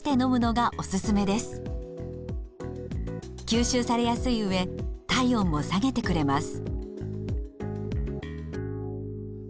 吸収されやすいうえ体温も下げてくれます。